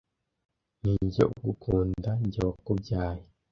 Ni jye ugukunda njye wakubyaye